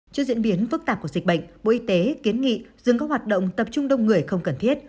trước diễn biến phức tạp của dịch bệnh bộ y tế kiến nghị dừng các hoạt động tập trung đông người không cần thiết